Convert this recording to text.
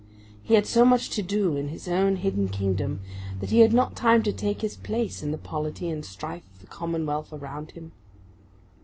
He had so much to do in his own hidden kingdom, that he had not time to take his place in the polity and strife of the commonwealth around him.